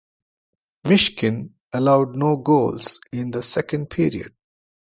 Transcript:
Myshkin allowed no goals in the second period.